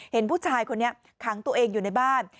เห็นผู้ชายคนนี้ขังตัวเองอยู่ในบ้าน